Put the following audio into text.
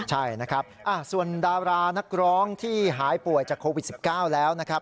ใช่นะครับส่วนดารานักร้องที่หายป่วยจากโควิด๑๙แล้วนะครับ